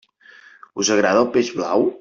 Us agrada el peix blau?